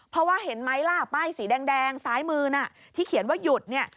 เพราะว่าเห็นไหมล่ะป้ายสีแดงซ้ายมือน่ะที่เขียนว่าหยุดเนี่ย